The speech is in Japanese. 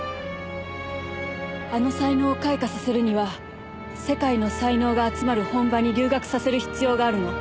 あの才能を開花させるには世界の才能が集まる本場に留学させる必要があるの。